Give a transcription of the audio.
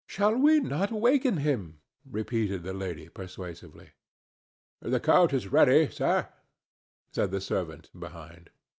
"Shall we not waken him?" repeated the lady, persuasively. "The coach is ready, sir," said the servant, behind.